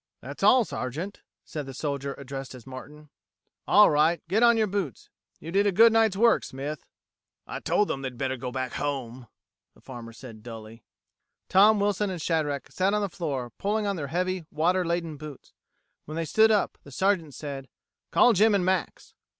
"That's all, Sergeant," said the soldier addressed as Martin. "All right, get on your boots. You did a good night's work, Smith." "I told 'em they'd better go back home," said the farmer dully. Tom, Wilson, and Shadrack sat on the floor pulling on their heavy, water laden boots. When they stood up, the Sergeant said: "Call Jim and Max."